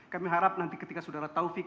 kami harap nanti ketika saudara taufik